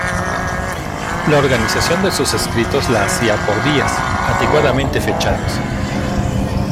La organización de sus escritos la hacía por días, adecuadamente fechados.